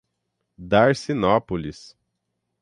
Darcinópolis